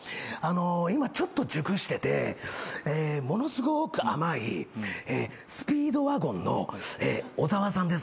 今ちょっと熟しててものすごーく甘いスピードワゴンの小沢さんです。